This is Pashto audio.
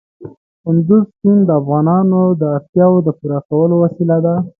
کندز سیند د افغانانو د اړتیاوو د پوره کولو وسیله ده.